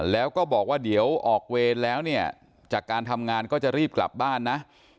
แล้วก็บอกว่าเดี๋ยวออกเวรแล้วเนี่ยจากการทำงานก็จะรีบกลับบ้านนะ